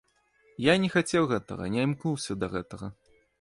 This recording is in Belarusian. Я не хацеў гэтага, не імкнуўся да гэтага.